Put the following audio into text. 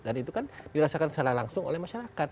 dan itu kan dirasakan secara langsung oleh masyarakat